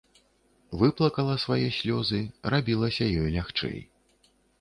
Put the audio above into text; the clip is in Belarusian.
Выплакала свае слёзы, рабілася ёй лягчэй.